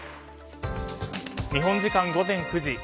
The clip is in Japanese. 日本時間午前９時。